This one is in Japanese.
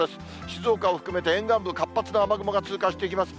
静岡を含めて、沿岸部、活発な雨雲が通過していきます。